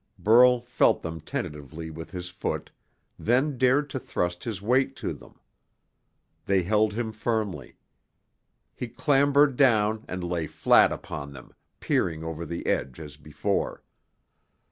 Burl felt them tentatively with his foot, then dared to thrust his weight to them. They held him firmly. He clambered down and lay flat upon them, peering over the edge as before.